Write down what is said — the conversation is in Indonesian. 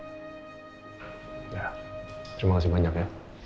terima kasih banyak ya